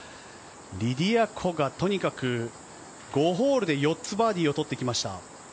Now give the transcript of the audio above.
リディア・コがとにかく５ホールで４つバーディーを取ってきました。